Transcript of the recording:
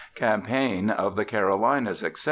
"Campaign of the Carolinas, etc."